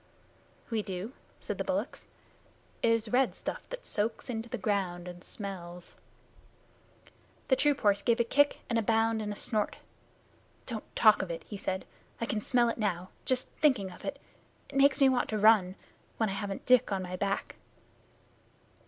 "We do," said the bullocks. "It is red stuff that soaks into the ground and smells." The troop horse gave a kick and a bound and a snort. "Don't talk of it," he said. "I can smell it now, just thinking of it. It makes me want to run when I haven't Dick on my back."